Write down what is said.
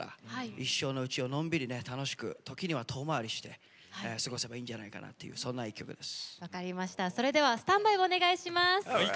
一生のうちをのんびり楽しく時には遠回りして過ごせばいいんじゃないかなという１曲です。